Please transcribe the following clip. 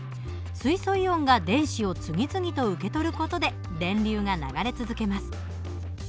水素イオンが電子を次々と受け取る事で電流が流れ続けます。